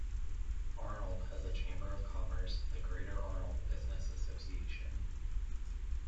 Arnold has a chamber of commerce, the Greater Arnold Business Association.